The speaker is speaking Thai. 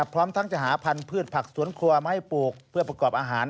พร้อมทั้งจะหาพันธุ์พืชผักสวนครัวมาให้ปลูกเพื่อประกอบอาหาร